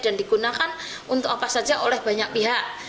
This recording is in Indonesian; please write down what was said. dan digunakan untuk apa saja oleh banyak pihak